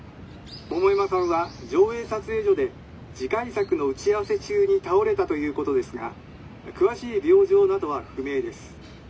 桃山さんは条映撮影所で次回作の打ち合わせ中に倒れたということですが詳しい病状などは不明です。